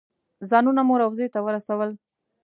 ځانونه مو روضې ته ورسول.